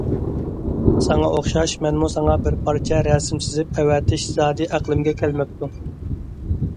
ساڭا ئوخشاش، مەنمۇ ساڭا بىر پارچە رەسىم سىزىپ ئەۋەتىش زادى ئەقلىمگە كەلمەپتۇ.